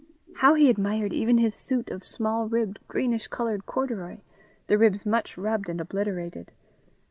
How he admired even his suit of small ribbed, greenish coloured corduroy, the ribs much rubbed and obliterated!